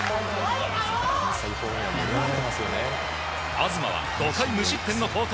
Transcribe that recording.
東は５回無失点の好投。